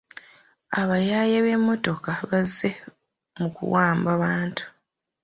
Abayaaye b'emmotoka bazze mu kuwamba bantu.